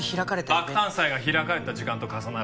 爆誕祭が開かれた時間と重なる。